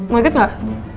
mau ikut gak